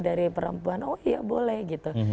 jadi perempuan oh iya boleh gitu